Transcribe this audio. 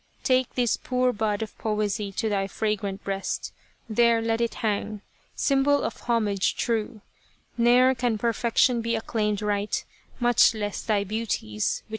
Take this poor bud of poesy to thy fragrant breast, There let it hang, symbol of homage true : Ne'er can perfection be acclaimed right, Much less thy beauties, which are infinite